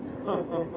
ハハハハ！